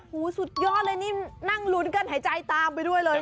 สุดยอดเลยนี่นั่งลุ้นกันหายใจตามไปด้วยเลย